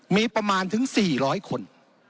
มีประมาณถึง๔๐๐คน